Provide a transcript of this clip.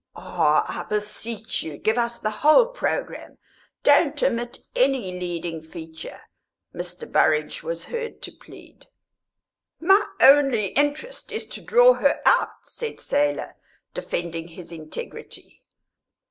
"Ah, I beseech you, give us the whole programme don't omit any leading feature!" Mr. Burrage was heard to plead. "My only interest is to draw her out," said Selah, defending his integrity.